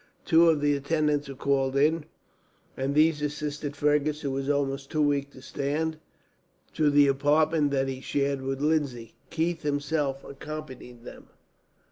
Two of the attendants were called in, and these assisted Fergus, who was almost too weak to stand, to the apartment that he shared with Lindsay. Keith himself accompanied them.